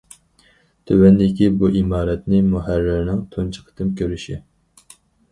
تۆۋەندىكى بۇ ئىمارەتنى مۇھەررىرنىڭ تۇنجى قېتىم كۆرۈشى.